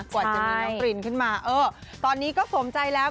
กว่าจะมีน้องรินขึ้นมาเออตอนนี้ก็สมใจแล้ว